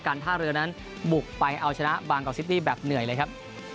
ท่าเรือนั้นบุกไปเอาชนะบางกอกซิตี้แบบเหนื่อยเลยครับ